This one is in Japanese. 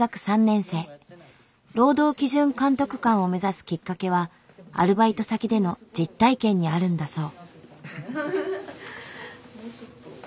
労働基準監督官を目指すきっかけはアルバイト先での実体験にあるんだそう。